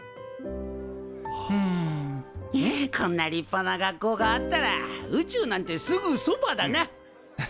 こんな立派な学校があったら宇宙なんてすぐそばだな。